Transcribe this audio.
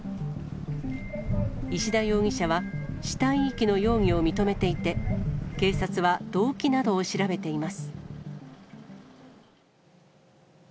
石田容疑者は、死体遺棄の容疑を認めていて、警察は動機などを調べています。